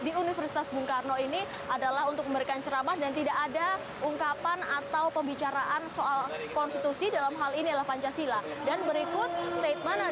di universitas bung karno ini adalah untuk memberikan ceramah dan tidak ada ungkapan atau pembicaraan soal konstitusi dalam hal ini adalah pancasila